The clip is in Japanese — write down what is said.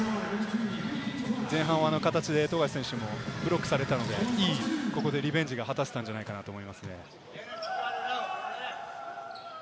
前半、あの形で富樫選手もブロックされたので、いいリベンジが果たせたんじゃないかと思います。